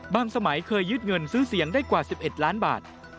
สมัยเคยยึดเงินซื้อเสียงได้กว่า๑๑ล้านบาท